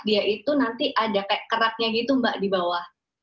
dia itu nanti ada kayak keraknya gitu mbak di bawah